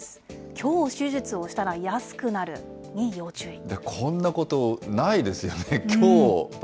きょう手術をしたら安くなるに要こんなこと、ないですよね。